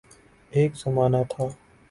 ایک زمانہ تھا